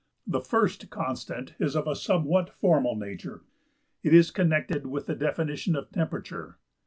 The first constant is of a somewhat formal nature; it is connected with the definition of temperature.